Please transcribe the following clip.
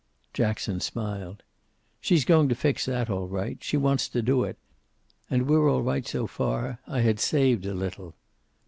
Jackson smiled. "She's going to fix that, all right. She wants to do it. And we're all right so far I had saved a little."